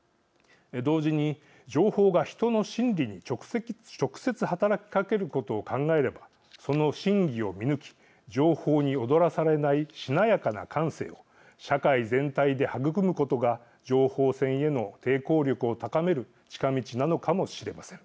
同時に、情報が人の心理に直接働きかけることを考えればその真偽を見抜き情報に踊らされないしなやかな感性を社会全体で育むことが情報戦への抵抗力を高める近道なのかもしれません。